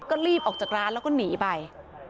ก็รีบออกจากร้านแล้วก็หนีไป